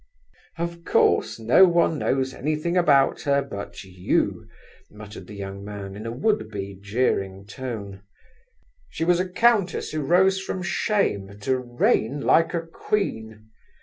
"Of course no one knows anything about her but you," muttered the young man in a would be jeering tone. "She was a Countess who rose from shame to reign like a Queen.